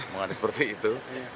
bukan seperti itu